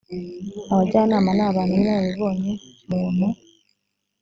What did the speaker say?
abajyanama ni abantu b’inararibonye muntu